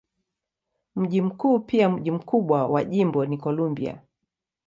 Mji mkuu pia mji mkubwa wa jimbo ni Columbia.